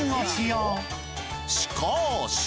しかし！